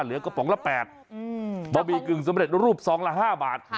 เหลือกระป๋องละแปดอืมบอบีกึ่งสำเร็จรูปสองละห้าบาท